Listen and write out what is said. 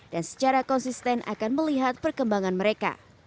dan secara konsisten akan melihat perkembangan mereka